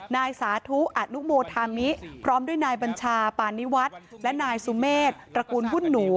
นายสาธุอนุโมธามิพร้อมด้วยนายบัญชาปานิวัฒน์และนายสุเมษตระกูลหุ้นหนู